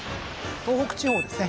東北地方ですね